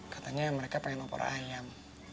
katanya mereka pengen opor ayam